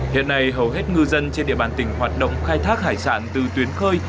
hiện nay hầu hết ngư dân trên địa bàn tỉnh hoạt động khai thác hải sản từ tuyến khơi